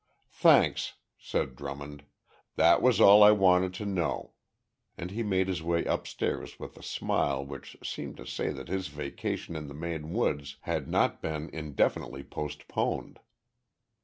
"Thanks," said Drummond; "that was all I wanted to know," and he made his way upstairs with a smile which seemed to say that his vacation in the Maine woods had not been indefinitely postponed.